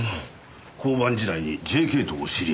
交番時代にＪＫとお知り合いに。